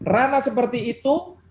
ranah seperti itu